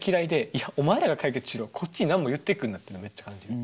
いやお前らが解決しろこっちに何も言ってくるなっていうのをめっちゃ感じる。